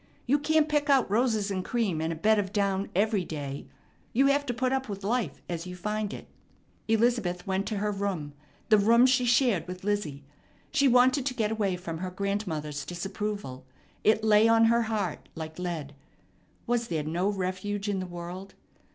You can't pick out roses and cream and a bed of down every day. You have to put up with life as you find it." Elizabeth went to her room, the room she shared with Lizzie. She wanted to get away from her grandmother's disapproval. It lay on her heart like lead. Was there no refuge in the world?